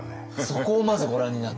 そこをまずご覧になって？